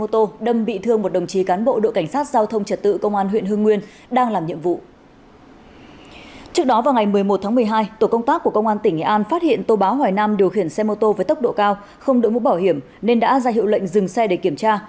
trước đó vào ngày một mươi một tháng một mươi hai tổ công tác của công an tỉnh nghệ an phát hiện tô bá hoài nam điều khiển xe mô tô với tốc độ cao không đổi mũ bảo hiểm nên đã ra hiệu lệnh dừng xe để kiểm tra